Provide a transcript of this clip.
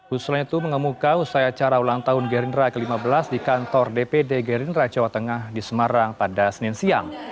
usulan itu mengemuka usai acara ulang tahun gerindra ke lima belas di kantor dpd gerindra jawa tengah di semarang pada senin siang